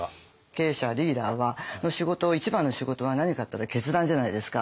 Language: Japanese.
経営者リーダーの仕事一番の仕事は何かっていったら決断じゃないですか。